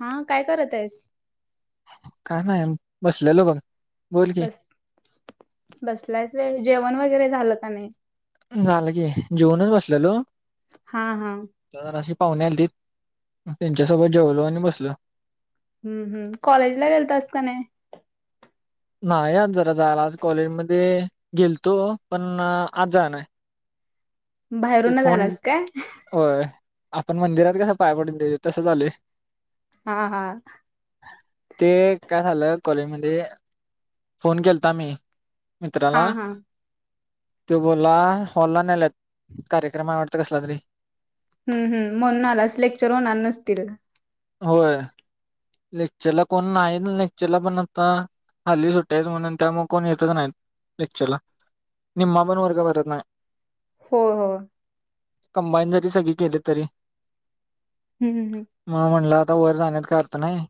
हा काय करतएस? काय नाही बसलेलो बघ. बोल की बस बसलायस व्हय जेवण वगैरे झालं का नाही? झालं की जेऊनच बसलेलो. हा हा. पाहुण्या आलतीत त्यांच्यासोबत जेवलो आणि बसलो. हम्म हम्म कॉलेजला गेलातास का नाय? नाई आज जरा जायला आ कॉलेज मध्ये गेलतो पण आत जाया नाय. ते बाहेरूनच फोन आलास काय? होय. आपण मंदिरात कसं पाय पडून देतो तसं झालयं. हा हा. ते काय झालं कॉलेज मध्ये फोन केलता मी हा मित्राला. हा त्यो बोलला हॉलला नेल्यात कार्यक्रम आय वाटत कसला तरी. हम्म हम्म म्हणून आलास लेक्चर होणार नसतील. होय लेक्चरला कोण नाई अन लेक्चरला पण आता हल्ली सुट्ट्यायत म्हणून त्यामुळं कोण येतच नाही लेक्चरला निम्मा पण वर्ग भरत नाय. होय हो. कंबाईन जरी सगळी केली तरी हम्म हम्म हम्म. म म्हणला ता वर जाण्यात का अर्थ नाही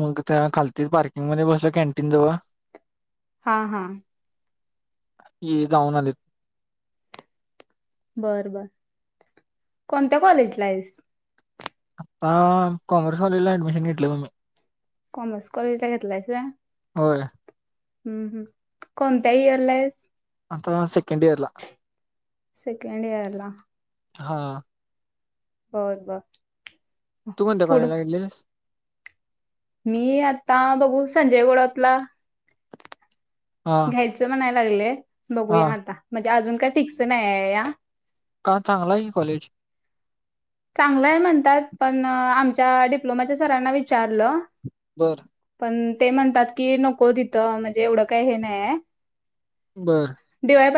मग त्या खालती पार्किंग मध्ये बसलो कॅन्टीन जवळ हा हा ये जाऊन आलेत बर बर कोणत्या कॉलेजला आहेस ह कॉमर्स कॉलेजला ऍडमिशन घेतलं म मी कॉमर्स कॉलेज ला घेतलायच होय हम्म हम् कोणत्या इयरला आहे आता सेकंड इयरला सेकंड इयरला हा बत ब तू कोणत्या कॉलेजला गेलीस मी आता बघू संजय गोडतला हा घ्यायचं म्हणय लागलंय हा बघूया आता म्हणजे अजून काय फिक्स नाही आहे या का चांगला आहे की कॉलेज चांगलंय म्हणतात पण आमच्या डिप्लोमाच्या सरांना विचारलं बर ते म्हणतात की नको तिथं म्हणजे एवढं काही हे नाही आहे बर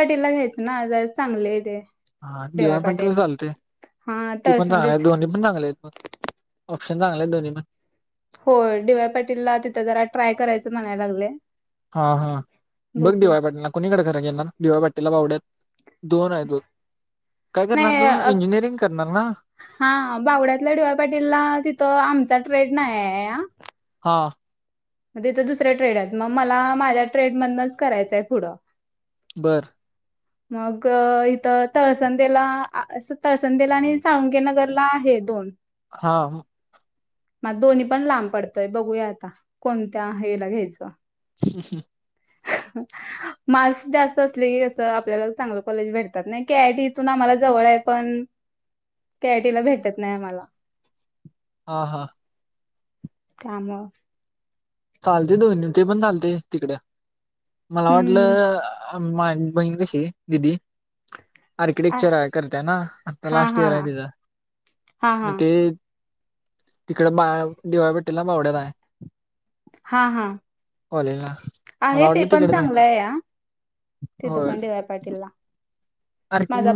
तेला घ्यायचं ना जर चांगले आहे ते हा डी वाय पाटील चालते हा ती पण चांगली आहे तळसंदीच दोन्ही पण चांगले मग ऑप्शन चांगले आहे दोन्ही पण हो डी वाय पाटीलला तिथं जरा ट्राय करायचं म्हणायला लागलं हा हा बघ डी वाय पाटील कोणीकडे खरा डी वाय पाटील ला पावड्यात दोन काय करणार नाही त अ, इंजिनिअरिंग करणार ना हा बावड्यातल्या डिवा्या पाटीलला तिथं आमचा ट्रेड नाही आहे हा हा ते तर दुसऱ्या ट्रेड आहेत मग मला माझ्या ट्रेडमधनच करायचंय पुढं बर मग इथं तळसंदेला अस तळसंदेला आणि साळुंगे नगरला आहे दोन हा मग दोन्ही पण लांब पडतंय बघूया आता कोणत्या हेला घ्यायचं हम् हम मास जास्त असले आपल्याला चांगलं कॉलेज भेटतात नाही के आयटी इथून आम्हाला जवळ आहे पण कॅटीला भेटत नाही आम्हाला हा हा काम चालते दोन्ही ते पण चालते तिकडे मला हम्म वाटलं मा बहीण कशी दिदी आ आर्किटेक्चर आहे करतय ना आता हा लास्ट हा इयर आहे हा तिथं हा हा मग ते तिकडे बा डी वाय पाटील मावडे्याला आहे हा हा कॉलेजला मला आहे ते वाटलं पण तिकडेच चांगलं घेणार आहे या त त होय पण आहे डी वाय पाटील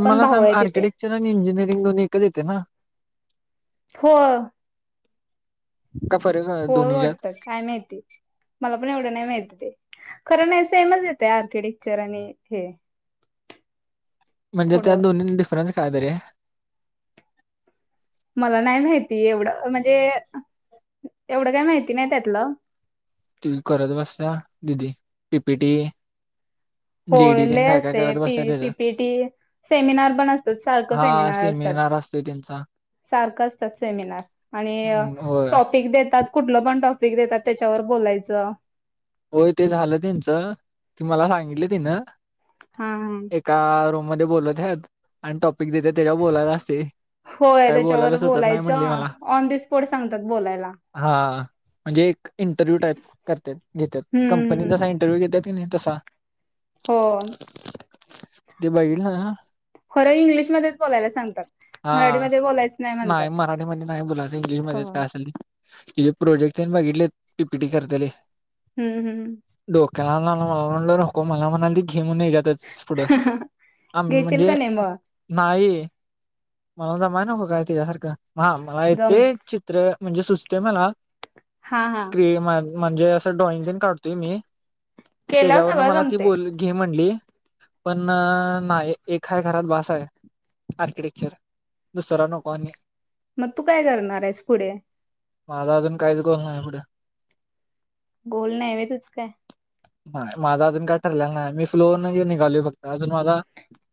मला सांग आर्किटेक्चर आणि इंजिनिअरिंग दोन्ही एकच येते ना हो का फरक आहे हो दोन्हीच्यात वाटतं काय माहिती मला पण एवढं नाही माहती ते खरं नाही सेमच येत आर्किटेक्चर आणि हे म्हणजे त्या थोडं दोन् डिफरन्स कायतरी आहे मला नाही माहिती एवढं म्हणजे एवढं काय माहिती नाही त्यातलं त करत बसता दिदी टीपी टी ह होले असते पी त्याचं पीपीटी सेमिनार पण असतात सारखं सेमिनार असतात असत त्यांचा सारखं असतात सेमिनार आणि हम्म, होय टॉपिक देतात कुठलं पण टॉपिक देतात त्याच्यावर बोलायचं होय ते झालं त्यांचं ती मला सांगितली तिनं हा एका रूम मध्ये बोलत आहेत आणि त थ तेच्या बोलायला असते होय काही बोलायला त्याच्यावर सुचत नाही म्हटली बोलायचं मला ऑन द स्पॉट सांगतात बोलायला हा म्हणजे एक इंटरव्ह्यू टाईप करते घेत हम्म कंपनीत हम्म जसा इंटरव्ह्यू घेते ति नाही तसा हो ते बघल ना खरं इंग्लिशमध्येध्येच बोलायला सांगतात हा मराठीमध्ये बोलायच नाही म्हणतात मराठीमध्ये नाही बोलायचं हो इंग्लिशमध्येध्येच काय असेल तिचेे प्रोजेक्ट बघितले पीपीटी करता हम्म हम्म क मला म्हण नको मला म्हणाली घेऊन जातच पुढं आ घेशील म्हणजे का नाही मग नाही मला तर माहि नकं काय यासारखं मला जम ते चित्र म्हणजे सुचते मला हा हा क्रि म्हणजे असं ड्रॉइंग पण काढतोय मी केल्यावर त्याच्यावरन सगळं मला ती जमते बोल घे म्हणली पण नाही एय घरात बास आहे आर्किटेक्चर दुसरा नकनी मग तू काय करणार आहेस पुढे माझा अजून काहीच कर नाही आहे पुढे गोल नाहीव तच काय नाही माझा अजून काय ठरलेला नाही मी फ्लोनऊ निघाल फक्त अजून मझला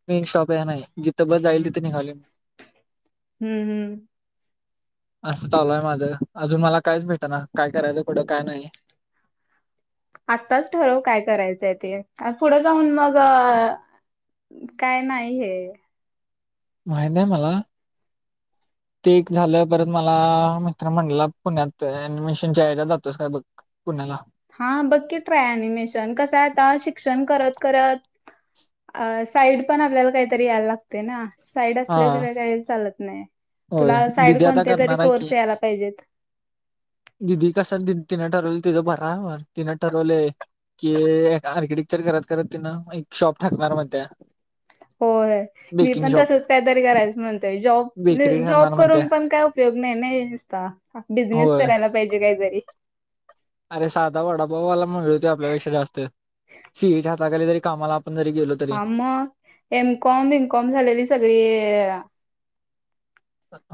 मेन शॉप आहे नाही जिथं बस जाईल तिथे निघाली मी हम्म हम्म असं चालू आहे माझं अजून मला कायच भेट ना काय करायचं कुठं काय नाही आत्ताच ठरव काय करायचंय ते पुढे जाऊन मग काय नाही हे माहिने्या मला [inaudible] ते एक झालं परत मला मित्र म्हटला पुण्यातनमिशनच्या यायला जातोस काय बघ पुण्याला हा बघकी ट राय अनिमेशन कस आता शिक्षण करत करत साईड पण आपल्याला काहीतरी याला लागते ना साईड हा असल्याशिवाय का चालत नाही होय तुला साईड दिदी आता कोणते तरी करणार आहे की कोर्स यायला पाहिजेत दिदी कस तिनं ठरवले तिझं बरा तिनं ठरवले कि आर्किटेक्चर करत करत तिनं एक शॉप ठाकणार मण त्या हो मी पण तसच काहीतरी करायचं म्हणतय जॉब बेकरी जॉब करणार म्हणत्या करून पण काय उपयोग नाहीस बिझनेस होय करायला पाहिजे कायतरी अरे साधा वडापाऊवाला म्हणले होती आपल्यापेक्षा जास्त सीएच्या हाताखाली तरी कामाला आपण जरी गेलो तरी हा मग एमकॉम बमकॉम झालेली सगळी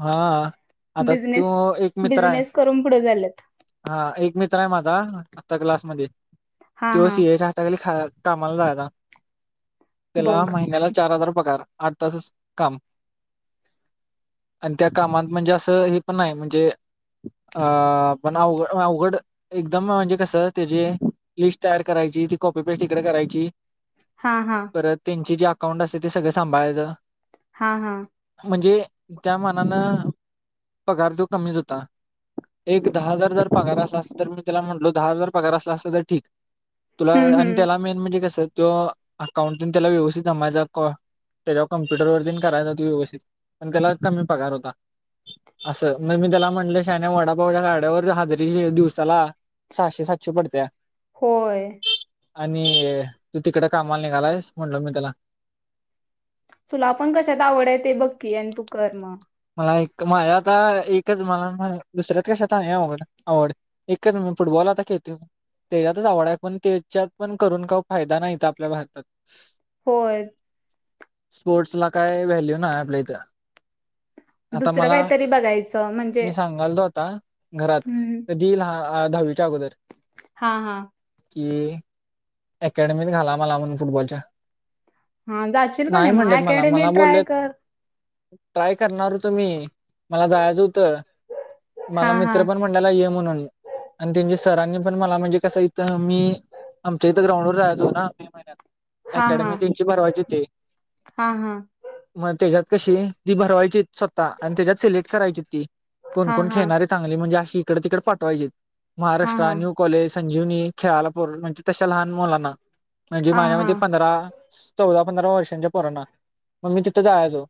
हा आता तो बिझनेस एक मित्र आहे बिझनेस करून पुढे झालेत हा एक मित्र माझा आता क्लास म हा ते हा सीच्या हातााली ख कामाला जायता त्याला बघ महिन्याला चार हजार पगार. आठ तासच काम. आणि त्या कामात म्हणजे असं हे पण आहे म्हणजे अ पण अ अवघड एकदम म्हणजे कस त्याजी लिस्ट तयार कराय [unintelligible] पेस्ट त इकडे करायची हा हा परत त्यांची जे अकाउंट असते ते सगळं सांभाळायचं. हां हां म्हणजे त्या मनान पगार जो कमीच होता. एक दहा हजार जर पगार असला असत तर मी त्याला म्हटलो दहा हजार पगार असला असत तर ठीक. तुला हम्म आणि हम्म त्याला मेन म्हणजे कस तो अकाउंटिंग त्याला व्यवस्थित माझा त्याच्यावर कम्प्युटर वरती करायलावती व्यवस्थित पण त्याला कमी पगार होता. असं मग मी त्याला म्हटलं शाहण्या वडापावच्या गाड्यावर हजरी दिवसाला सहाशे सातशे पडतेय. होय आणि तू तिकडे कामाला निघालायस म्हटल मी त्याला. तुला पण कशात आवड आहे ते बघकी आणि तू कर मग. माझ्या आता एकच मला दुसऱ्यात कशात आवड आवड एकच फुटबॉल. त्याच्यातच आवडा आहे पण त्याच्यात पण करून का फायदा नाहीत आपल्या भारतात. होय स्पोर्ट्स ला काय व्हॅल्यू नाही आपल्या इथं. आता दुसरं मला काहीतरी बघायचं म्हणजे मी सांगाल तो आता घरात कधी ल हां हां कि अकॅडमीत घाला मला म्हणून फुटबॉलच्या. हा जाशील का नाही मग म्हणलेत मला अकॅडमी मला ट्राय बोललेत कर. ट्राय करणार होतो मी. मला जायचं होतं हा मला हा मित्र पण म्हंटयला ये म्हणून आणि त्यांची सरांनी पण मला म्हणजे कस इथं मी आमच्या इथं ग्राउंड वर जायचो ना मे महिन्यात. हा हा अकॅडमी त्यांची भरवाची होती. हा हा मग त्याच्यात कशी ती भरवायची स्वतः आणि त्याच्यात सिलेक्ट करायची ती कोण हा कोण हा खेळणारे चांगली म्हणजे अशी इकडे तिकडे पाठवायची. हा महाराष्ट्र हा न्यू कॉलेज संजीवनी खेळालापूर म्हणजे तशा लहान मुलांना म्हणजे हा हा माझ्यामध्ये पंधरा चौदा पंधरा वर्षांच्या पोरांना मग मी तिथं जायचो.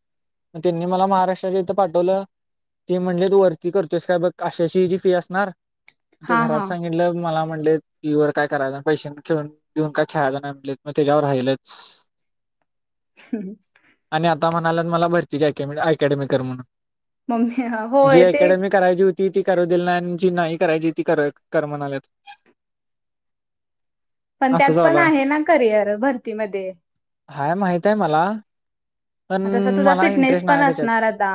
म त्यांनी मला महाराष्ट्राच्या इथं पाठवलं. ते म्हणले तू वरती करतोस काय बघ आशाशी ह जी फी असणार. ते हा घरात हा सांगितलं मला म्हटले [unintelligible] काय करायला पैश खेळून देऊन का खेळाला नाही म्हटले मग त्याच्यावर राहिलच. हम् आणि आता म्हणाल्या मला भरतीची अकॅडेमीक म्हणून. मम्मी जी होय ते अकॅडमी करायची होती ती करू दिली नाही‌ जी नाही करायची ती कर कर म्हणालेत. पण त्यात पण आहे ना करिअर भरतीमध्ये. हाय माहित आहे मला. पण तसा तुझा मला फिटनेस इंटरेस्ट पण नाही त्याच्यात असणार आता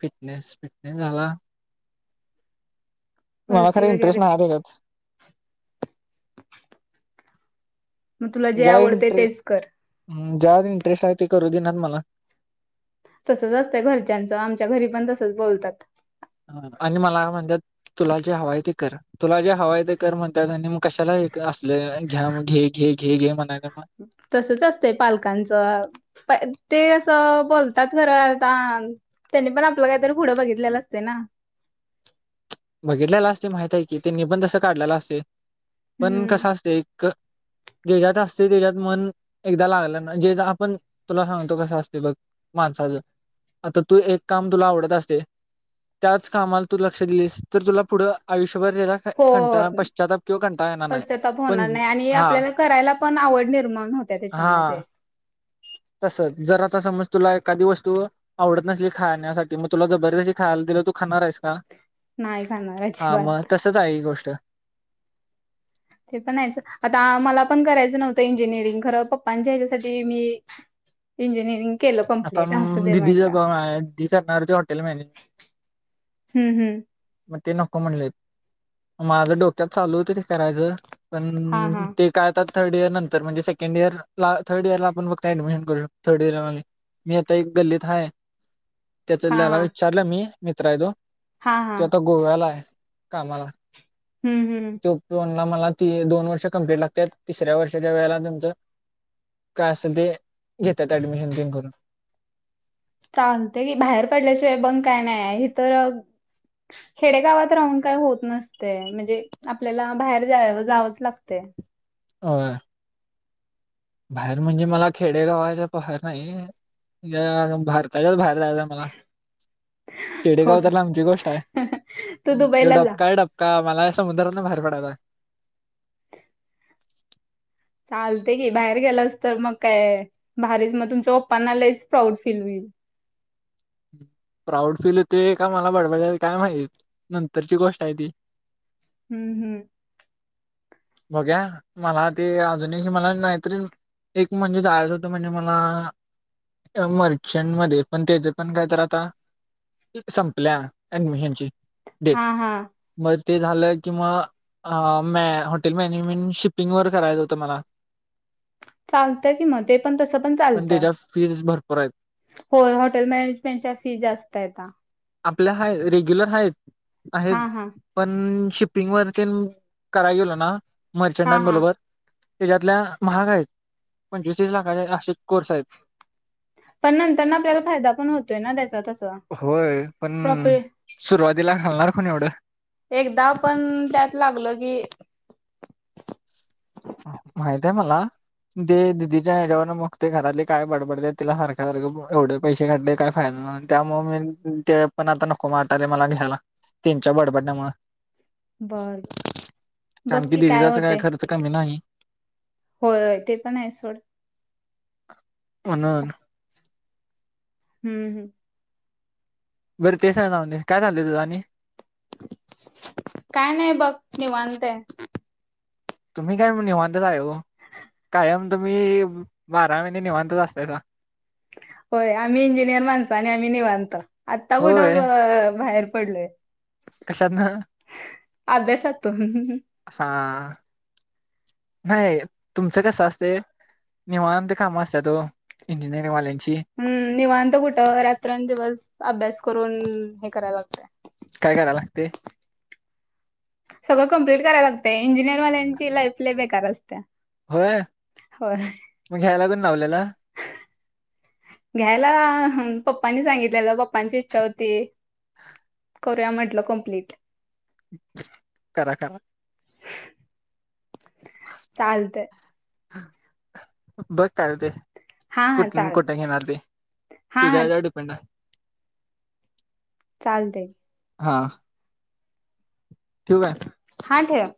फिटनेस नाही झाला. मला खर भरती इंटरेस्ट वगैरे नाही त्याच्यात. मग तुला जे आवडते इंटरे तेच कर. ज्या इंटरेस्ट आहे ते करू देईनात मला. तसच असतं घरच्यांच आमच्या घरी पण तसच बोलतात. आणि मला म्हणतात तुला जे हवाय ते कर तुला जे हवाय ते कर म्हणतात आणि मग कशाला असले घ्या घे घे घे घे म्हणा तसच असते पालकांच प ते बोलतात खरं आता त्यांनी पण आपलं काहीतरी पुढं बघितलेलं असते ना, [inaudible] बघितलेला असते माहित आहे की त्यांनी पण तस काढलेलं असते पण हम्म कस असते. क जेच्यात असते त्याच्यात मन एकदा लागलं ना जे आपण तुला सांगतो कस असते बघ मा आता तू एक काम तुला आवडत असते त्याच कामाला तू लक्ष दिलीस. तर तुला पुढं आयुष्य हो [unintelligible] पश्चातातप किंवा कंटाळा येणार नाही पश्चाताप पण होणार नाही आणि हा आपल्याला करायला पण आवड निर्माण होत्या त्याच्यामध्ये, तसं जर आता समज तुला एखादी वस्तू आवडत नसली खाण्यासाठी मग तुला जबरदस्ती खायला. त तू खाणार आहेस का नाही खाणार हा मग अजिबात तसच आहे गोष्ट ते पण यायचं आता मला पण करायचं नव्हतं इंजिनिअरिंग खरं पप्पांच्या ह्याच्यासाठी मी इंजिनीिरींग आता दिदी [unintelligible] सरणारच्या हॉटेल मॅनेज हम्म हम्म मग ते नको म्हणलेत, माझ्या डोक्यात चालू होत ते करायचं. हा पण हा ते काय आता थर्ड इयर नंतर म्हणजे सेकंड इयर ला थर्ड इयर ला आपण बघत ऍडमिशन करु शकतो थर्ड इयर मी आता एक गल्लीत हाय. त्याच हा त्याला हा विचारलं मी मित्र आहेदो हा हा तो आता गोव्याला आहे. कामाला हम्म हम्म तो फोनला मला त दोन वर्ष कंप्ट ला तिसऱ्या वर्षाच्या वेळेला तुमच काय असेल ते घेतात ऍडमिशन तेन करून चालते की बाहेर पडल्याशिवाय बंग काय नाही आहे हे तर खेडेगावात राहून काय होत नसते म्हणजे आपल्याला बाहेर जा जावंच लागते. ह ह बाहेर म्हणजे मला खेडेगावाच्या पहर नाही या भारताच्याच बाहेर जायच मला खेडेगाव होय तर लांब ची गोष्ट आहे. तू हयो दुबईला जा डपकाय डपका मला समुद्रातून बाहेर पडाला. चालते की बाहेर गेलास तर मग काय भारीच मग तुमच्या पप्पांना लईच प्राऊड फील होईल. हम्म प्राऊड फील होते का मला बडवा काय माह नंतरची गोष्ट आहे ती. हम्म हम्म बहुया मला ते अजून मला नाहीतरी. एक म्हणजेचयच होतं म्हणजे मला मर्चंट मध्ये पण त्याच्या पण काय तर आता संपल्या ऍडमिशन ची हा हा ते झालं किंवा हॉटेल मॅनेजमेंट शिपिंग वर करायचं होतं मला. चालतं कि मग ते पण तसं पण चालतं. त्याच्या फीज भरपूर आहेत. होय हॉटेल मॅनेजमेंटच्या फी जास्त आहे आता आपल्या हा रेग्युलर हाय आहेत हा हा पण श पिंग वरती कराय गेल ना हा मर्चंटां हा बरोबर, त्याच्यातल्या महाग आहेत पंचवीसस लाखाचे असे कोर्स आहेत. पण नंतर ना आपल्याला फायदा पण होतोय ना त्याचा. तसा होय पण प्रॉफिट सुरुवातीला घालणार कोण एवढं. एकदा पण त्यात लागल की. माहित आहे मला. ते दिदीच्या ह्याच्यावरं मगते घराले काय बडबडले तिला सारख्या सारखं एवढे पैसे काढले काय फायदा त्यामुळ मी ते पण आता नको वाटायलय मला घ्यायला तेंच्या च्या बडबडण्यामुळ. बर [unintelligible] बघकी काय दीदीचा काही होते खर्च कमी नाही. होय होय ते पण आहे सोड. म्हणून. हम्म हम्म बरं ते सगळे जाऊते काय चाललं तुझ आणि- काय नाही बघ निवांत हे. तुम्ही काय मग निवांतच आहे व. कायम तुम्ही बाराही महिने निवांतच असतायसा होय आम्ही इंजिनियर माणस आणि आम्ही निवांत आत्ता कुठं बाहेर- पडलोय. कशातन? अभ्यासा तो हुं हुं हा हा... [inaudible] नाही तुमचं कस असते निवांत काम असतात ओ इंजिनिअरिंग वाल्यांची. हम्म निवांत कुठं रात्रंदिवस अभ्यास करून हे करायला लागतय. काय कराय लागतय- सगळं कंप्लीट करायला लागते इंजिनिअरवाल्यांची लाईफ लय बेकार असतया. होय मग घ्यायला कुणी लावलेल! घ्यायला पप्पांनी सांगितलेलं पप्पांची इच्छा होती. करूया म्हटलं कंप्लीट. करा करा. चालतय. बघ काय होतय. हा हा कुठुन चाल कुठे घेउन आलते हा हा तुझ्यावर डिपेंट आहे. चालतय. हा ठेवु काय? हा ठेव.